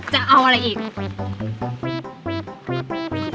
จะเอาอะไรอีก